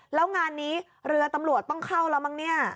แล้วงานนี้เรือตำรวจต้องเข้าแล้วมั้งเนี่ย